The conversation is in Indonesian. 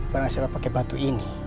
karena siapa pakai batu ini